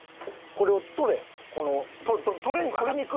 これを取れ！